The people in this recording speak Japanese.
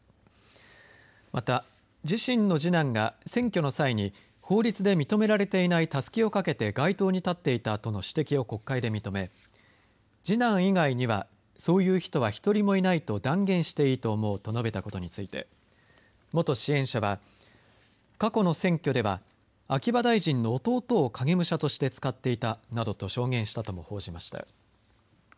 また、自身の次男が選挙の際に法律で認められていないたすきをかけて街頭に立っていたとの指摘を国会で認め、次男以外にはそういう人は１人もいないと断言していいと思うと述べたことについて、元支援者は、過去の選挙では、秋葉大臣の弟を影武者として使っていたなどと証言したとも報じました。